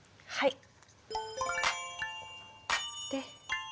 はい。